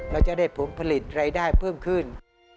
เราจะได้ผลผลิตรายได้เพิ่มขึ้น